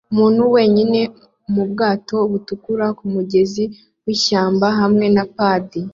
umuntu wenyine mubwato butukura kumugezi wishyamba hamwe na padi